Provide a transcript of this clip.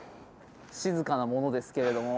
静かなものですけれども。